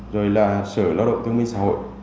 rồi là sở lao động thông minh xã hội